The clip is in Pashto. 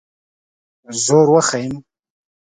زور وښیم.